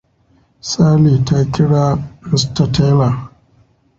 Sally ta kira Mr Tailor.